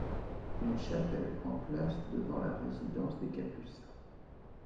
Une chapelle prend place devant la résidence des capucins.